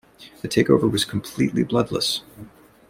The takeover was completely bloodless.